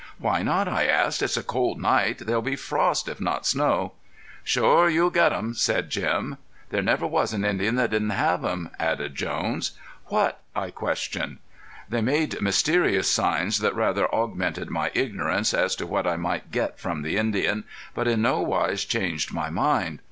"Why not?" I asked. "It's a cold night. There'll be frost if not snow." "Shore you'll get 'em," said Jim. "There never was an Indian that didn't have 'em," added Jones. "What?" I questioned. They made mysterious signs that rather augmented my ignorance as to what I might get from the Indian, but in no wise changed my mind.